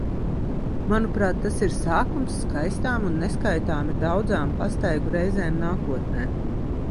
Manuprāt, tas ir sākums skaistām un neskaitāmi daudzām pastaigu reizēm nākotnē.